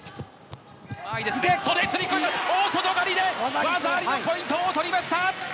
袖釣り込み、大外刈りで、技ありのポイントを取りました。